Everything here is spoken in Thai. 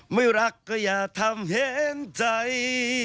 ไม่รักก็อย่าทำเห็นใจ